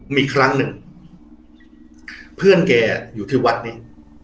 มีครั้งหนึ่งเพื่อนแกอยู่ที่วัดนี้